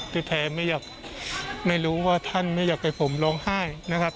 ที่แท้ไม่อยากไม่รู้ว่าท่านไม่อยากให้ผมร้องไห้นะครับ